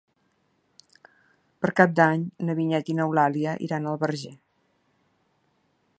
Per Cap d'Any na Vinyet i n'Eulàlia iran al Verger.